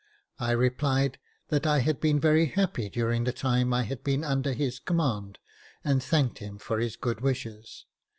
I replied that I had been very happy during the time I had been under his command, and thanked him for his good wishes.